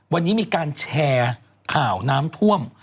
วันนี้มีการแชร์ข่าวน้ำท่วม